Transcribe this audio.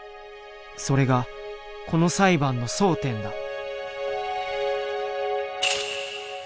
それがこの裁判の争点だ。